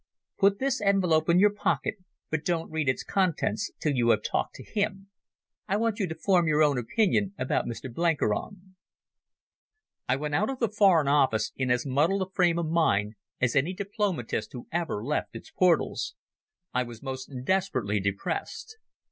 Put this envelope in your pocket, but don't read its contents till you have talked to him. I want you to form your own opinion about Mr Blenkiron." I went out of the Foreign Office in as muddled a frame of mind as any diplomatist who ever left its portals. I was most desperately depressed.